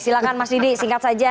silahkan mas didi singkat saja